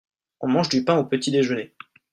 on mange du pain au petit-déjeuner.